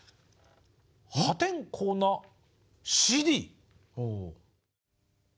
「破天荒なＣＤ」。